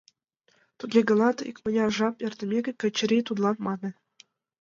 Туге гынат, икмыняр жап эртымеке, Качырий тудлан мане: